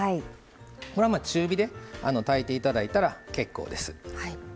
これは中火で炊いていただいたら結構です。